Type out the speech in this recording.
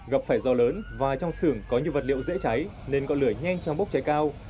gặp phải do lớn và trong sưởng có nhiều vật liệu dễ cháy nên có lửa nhanh trong bốc cháy cao